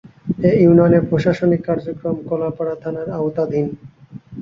এ ইউনিয়নের প্রশাসনিক কার্যক্রম কলাপাড়া থানার আওতাধীন।